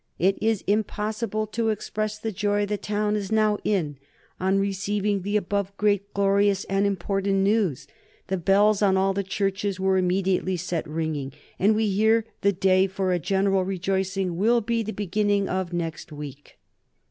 "It is impossible to express the joy the town is now in, on receiving the above great, glorious, and important news. The bells on all the churches were immediately set a ringing, and we hear the day for a general rejoicing will be the beginning of next week."